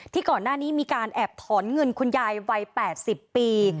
ก่อนหน้านี้มีการแอบถอนเงินคุณยายวัย๘๐ปี